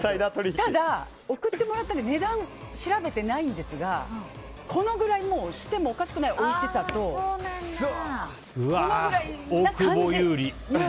ただ、贈ってもらって値段を調べてないんですがこのくらいしてもおかしくないおいしさとこのぐらいな感じ。